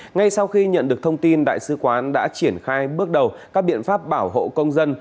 ngay sau khi nhận được thông tin đại sứ quán đã triển khai bước đầu các biện pháp bảo hộ công dân